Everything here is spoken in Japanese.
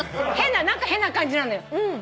何か変な感じなのよ。